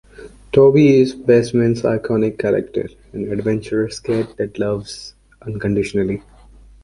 Toby is Baseman's iconic character, an adventurous cat that loves unconditionally.